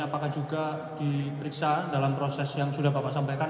apakah juga diperiksa dalam proses yang sudah bapak sampaikan